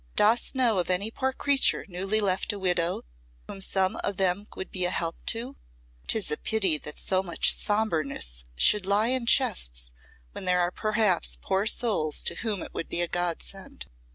Dost know of any poor creature newly left a widow whom some of them would be a help to? 'Tis a pity that so much sombreness should lie in chests when there are perhaps poor souls to whom it would be a godsend."